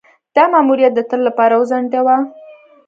دا ماموریت د تل لپاره وځنډاوه.